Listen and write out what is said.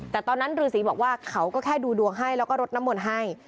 แต่ตอนนั้นฤษีบอกว่าเขาก็แค่ดูดวงให้แล้วก็รดน้ำมนต์ให้